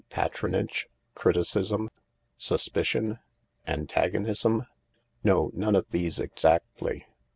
Patronage ? Criticism ? Suspicion ? Antagonism ? No, none of these exactly.